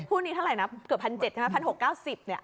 พูดนี้เท่าไหร่แล้วเกือบ๑๗๐๐ใช่มะ๑๖๙๐เนี่ย